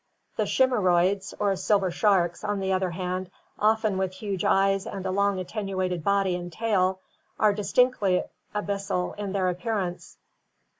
The chimaeroids or silver sharks (see Fig. 11), on the other hand, often with huge eyes and a long attenuated body and tail, are dis tinctly abyssal in their appearance.